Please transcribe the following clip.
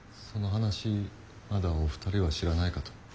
その話まだお二人は知らないかと。